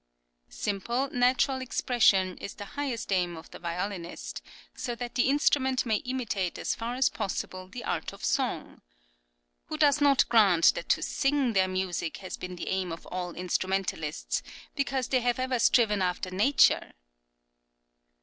} (14) Simple, natural expression is the highest aim of the violinist, so that the instrument may imitate as far as possible the art of song (p. 50); "who does not grant that to sing their music has been the aim of all instrumentalists, because they have ever striven after nature?"